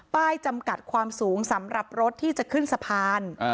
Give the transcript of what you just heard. จำกัดความสูงสำหรับรถที่จะขึ้นสะพาน